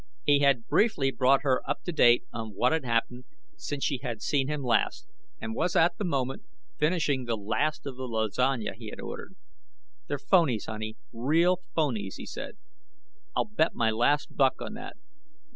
He had briefly brought her up to date on what had happened since she had seen him last, and was at the moment finishing the last of the lasagna he had ordered. "They're phonies, honey, real phonies," he said. "I'll bet my last buck on that."